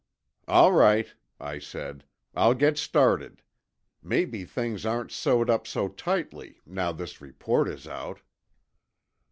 "All right," I said. "I'll get started. Maybe things aren't sewed up so tightly, now this report is out."